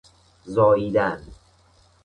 زاییدن